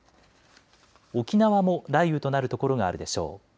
沖縄も雷雨となる所があるでしょう。